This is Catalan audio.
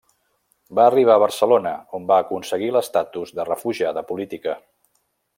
Va arribar a Barcelona, on va aconseguir l'estatus de refugiada política.